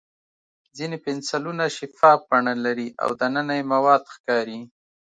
ځینې پنسلونه شفاف بڼه لري او دننه یې مواد ښکاري.